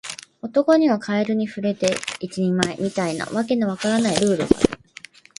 男にはカエルに触れて一人前、みたいな訳の分からないルールがある